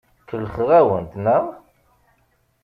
Kellxeɣ-awent, naɣ?